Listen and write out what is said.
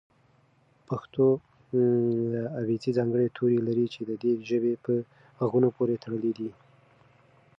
پښتو ابېڅې ځانګړي توري لري چې د دې ژبې په غږونو پورې تړلي دي.